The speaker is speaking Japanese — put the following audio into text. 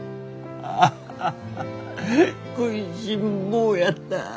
ああ食いしん坊やった。